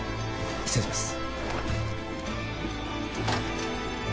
失礼します。